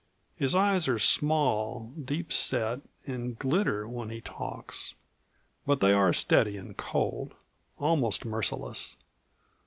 His eyes are small, deep set, and glitter when he talks. But they are steady and cold almost merciless.